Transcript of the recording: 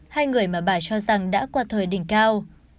hai người mà bà cho rằng đã qua thời đỉnh cao